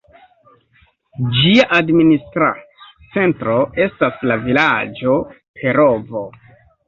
Ĝia administra centro estas la vilaĝo Perovo.